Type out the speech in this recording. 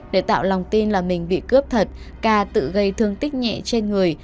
để tạo lòng tin là mình bị cướp thật ca tự gây thương tích nhẹ trên người